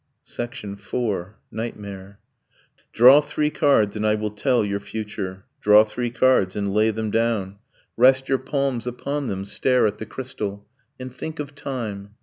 IV. NIGHTMARE 'Draw three cards, and I will tell your future ... Draw three cards, and lay them down, Rest your palms upon them, stare at the crystal, And think of time